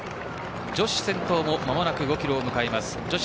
女子の先頭も間もなく５キロを迎えます。